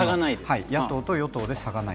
野党と与党で差がない。